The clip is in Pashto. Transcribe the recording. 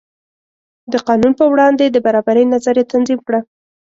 د قانون په وړاندې د برابرۍ نظریه تنظیم کړه.